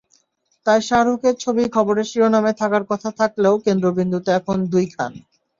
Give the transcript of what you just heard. তাই শাহরুখের ছবি খবরের শিরোনামে থাকার কথা থাকলেও, কেন্দ্রবিন্দুতে এখন দুই খান।